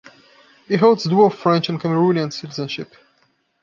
He holds dual French and Cameroonian citizenship.